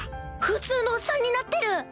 普通のおっさんになってる！